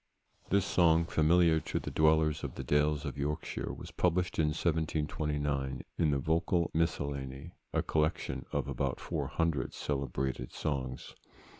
[THIS song, familiar to the dwellers in the dales of Yorkshire, was published in 1729, in the Vocal Miscellany; a collection of about four hundred celebrated songs.